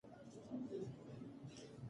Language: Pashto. ښځو د رایې ورکولو حق تر لاسه کړ.